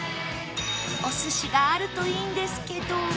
お寿司があるといいんですけど